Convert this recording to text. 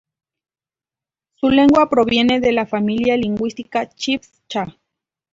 Su lengua proviene de la familia lingüística Chibcha.